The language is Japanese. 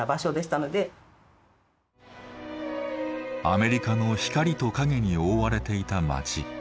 アメリカの光と影に覆われていた町。